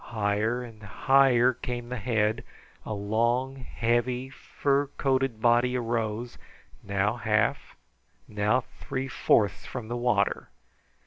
Higher and higher came the head, a long, heavy, furcoated body arose, now half, now three fourths from the water.